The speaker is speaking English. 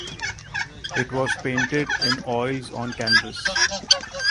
It was painted in oils on canvas.